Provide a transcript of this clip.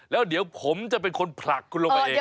แล้วเดี๋ยวผมจะเป็นคนผลักคุณลงไปเอง